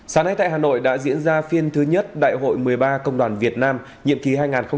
sáng nay tại hà nội đã diễn ra phiên thứ nhất đại hội một mươi ba công đoàn việt nam nhiệm ký hai nghìn hai mươi ba hai nghìn hai mươi tám